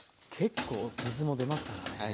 結構水も出ますからね。